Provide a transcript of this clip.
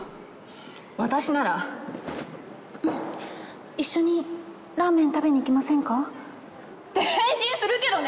私なら「一緒にラーメン食べに行きませんか？」って返信するけどね！